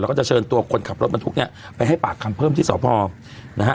แล้วก็จะเชิญตัวคนขับรถบรรทุกเนี่ยไปให้ปากคำเพิ่มที่สพนะฮะ